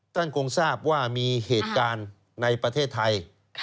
คงทราบว่ามีเหตุการณ์ในประเทศไทย